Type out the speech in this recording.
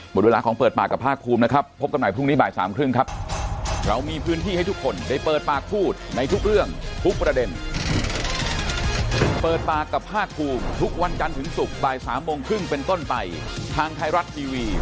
หมดเวลาของเปิดปากกับภาคภูมินะครับพบกันใหม่พรุ่งนี้บ่ายสามครึ่งครับ